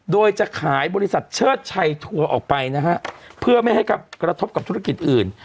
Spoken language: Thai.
โดยจะขายบริษัทเชิดชัยทัวร์ออกไปนะฮะเพื่อไม่ให้กระทบกับธุรกิจอื่น